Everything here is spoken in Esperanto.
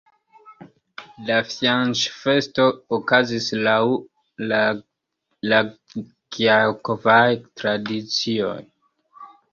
La fianĉfesto okazis laŭ la gjakovaj tradicioj.